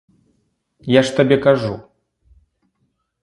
Я ж табе кажу.